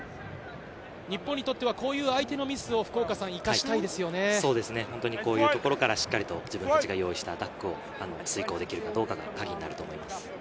日本にとってはこういう相こういうところからしっかりと自分たちが用意したアタックを遂行できるかどうかがカギになると思います。